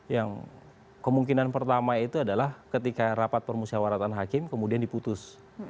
yang kemungkinan pertama itu adalah ketika rapat permusyawaratan hakim kemudian diputus